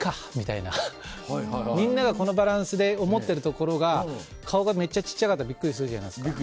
みんながこのバランスで思ってるところが顔がめっちゃ小っちゃかったらびっくりするじゃないですか。